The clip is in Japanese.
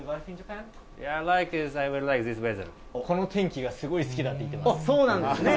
この天気がすごい好きだってそうなんですね。